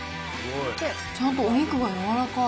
ちゃんとお肉が柔らかい。